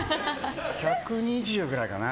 １２０ぐらいかな